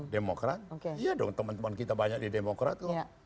demokrat iya dong teman teman kita banyak di demokrat kok